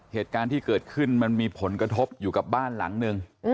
เหตุการณ์ที่เกิดขึ้นมันมีผลกระทบอยู่กับบ้านหลังนึง